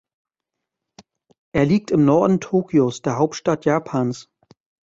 Er liegt im Norden Tokios, der Hauptstadt Japans.